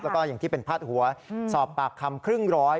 แล้วก็อย่างที่เป็นพาดหัวสอบปากคำครึ่งร้อย